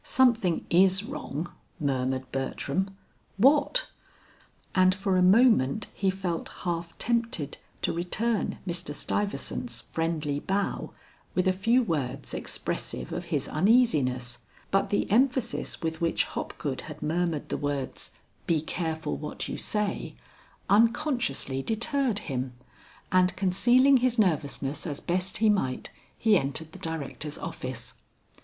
"Something is wrong," murmured Bertram. "What?" And for a moment he felt half tempted to return Mr. Stuyvesant's friendly bow with a few words expressive of his uneasiness, but the emphasis with which Hopgood had murmured the words, "Be careful what you say," unconsciously deterred him, and concealing his nervousness as best he might, he entered the Directors' office.